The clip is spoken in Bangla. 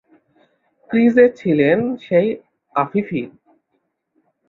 ক্রিজে ছিলেন সেই আফিফই।